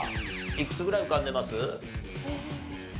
いくつぐらい浮かんでます？